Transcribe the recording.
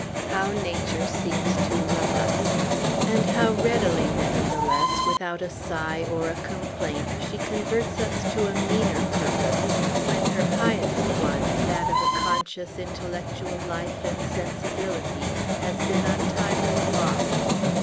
How Nature seems to love us! And how readily, nevertheless, without a sigh or a complaint, she converts us to a meaner purpose, when her highest one that of a conscious intellectual life and sensibility has been untimely balked!